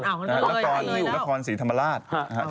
นครสีธรรมราช